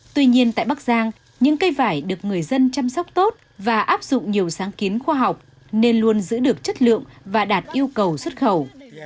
tuy nhiên tại bắc giang những cây vải được người dân chăm sóc tốt và áp dụng nhiều sáng kiến khoa học nên luôn giữ được chất lượng và đạt yêu cầu xuất khẩu